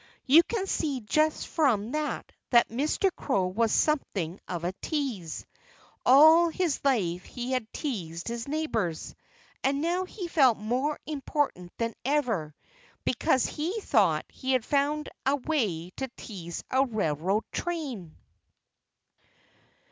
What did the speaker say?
You can see just from that that Mr. Crow was something of a tease. All his life he had teased his neighbors. And now he felt more important than ever, because he thought he had found a way to tease a railroad train.